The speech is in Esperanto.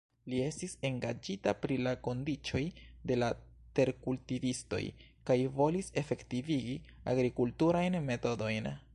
Li estis engaĝita pri la kondiĉoj de la terkultivistoj kaj volis efektivigi agrikulturajn metodojn.